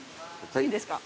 いいんですか？